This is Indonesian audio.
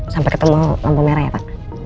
sampai ketemu lampu merah ya pak